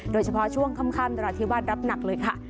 โดยเฉพาะช่วงค่ำนราธิวาสรับหนักเลยค่ะ